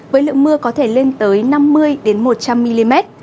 với lượng mưa có thể lên tới năm mươi một trăm linh mm